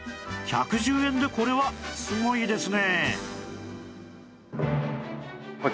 １１０円でこれはすごいですね